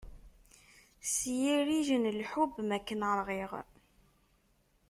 S yirij n lḥub makken ṛɣiɣ.